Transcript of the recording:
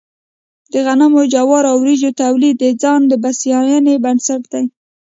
د غنمو، جوارو او وريجو تولید د ځان بسیاینې بنسټ دی.